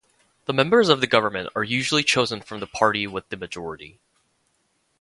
The members of the government are usually chosen from the party with the majority.